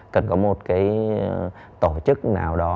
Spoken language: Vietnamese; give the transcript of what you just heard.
cần có một cái tổ chức nào đó